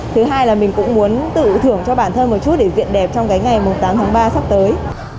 thứ hai là mình cũng muốn tự thưởng cho bản thân một chút để diện đẹp trong cái ngày tám tháng ba sắp tới